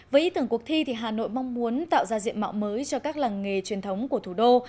với ý tưởng cuộc thi hà nội mong muốn tạo ra diện mạo mới cho các làng nghề truyền thống của thủ đô